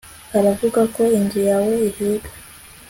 Uravuga ko inzu yawe ihiga